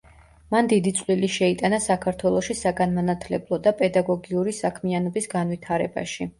მან დიდი წვლილი შეიტანა საქართველოში საგანმანათლებლო და პედაგოგიური საქმიანობის განვითარებაში.